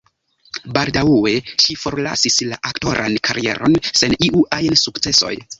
Baldaŭe ŝi forlasis la aktoran karieron sen iu ajn sukcesoj.